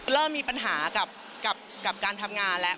เริ่มมีปัญหากับการทำงานแล้ว